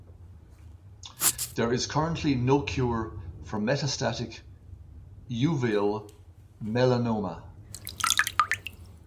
There is currently no cure for metastatic uveal melanoma.